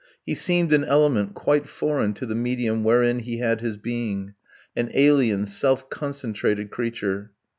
He seemed an element quite foreign to the medium wherein he had his being, an alien, self concentrated creature.